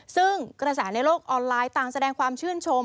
ซึ่งกระแสในโลกออนไลน์ต่างแสดงความชื่นชม